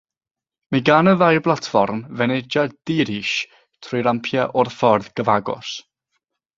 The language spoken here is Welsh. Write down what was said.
Mae gan y ddau blatfform fynediad di-ris trwy rampiau o'r ffordd gyfagos.